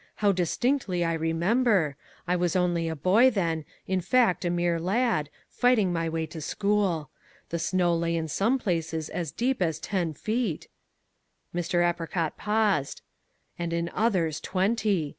How distinctly I remember, I was only a boy then, in fact a mere lad, fighting my way to school. The snow lay in some places as deep as ten feet" Mr. Apricot paused "and in others twenty.